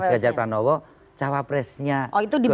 mas ganjar pranowo capresnya golkar itu siapa